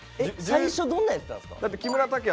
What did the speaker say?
最初どんなやったんですか？